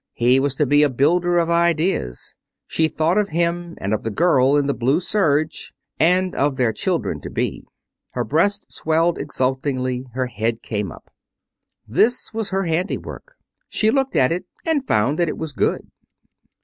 He was to be a builder of ideas. She thought of him, and of the girl in blue serge, and of their children to be. Her breast swelled exultingly. Her head came up. This was her handiwork. She looked at it, and found that it was good.